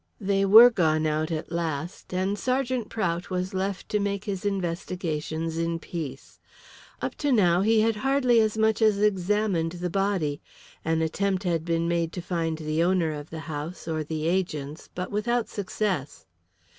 They were gone out at last, and Sergeant Prout was left to make his investigations in peace. Up to now he had hardly as much as examined the body. An attempt had been made to find the owner of the house, or the agents, but without success.